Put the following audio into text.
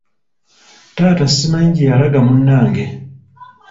Taata simanyi gye yalaga munnange.